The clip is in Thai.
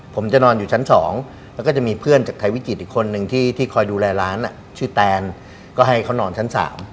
ผมจะนอนอยู่ชั้น๒แล้วก็จะมีเพื่อนจากไทยวิจิตอีกคนนึงที่คอยดูแลร้านชื่อแตนก็ให้เขานอนชั้น๓